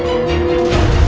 aku mau pergi